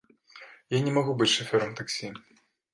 Я не магу быць шафёрам таксі.